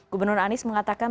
gubernur anies mengatakan